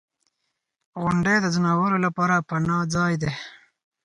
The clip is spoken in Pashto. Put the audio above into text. • غونډۍ د ځناورو لپاره پناه ځای دی.